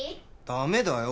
ダメだよ